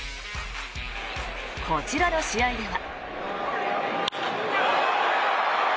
こちらの試合では。